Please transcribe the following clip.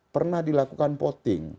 pernah dilakukan poting